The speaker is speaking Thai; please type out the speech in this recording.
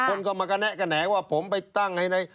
คนก็มากระแนะกระแหนงว่าผมไปตั้งให้ใน